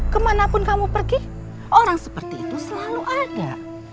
kemanapun kamu pergi orang seperti itu selalu ada